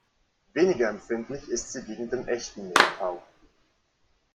Weniger empfindlich ist sie gegen den Echten Mehltau.